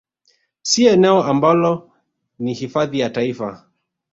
Si eneo ambalo ni Hifadhi ya taifa